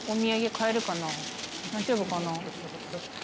大丈夫かな？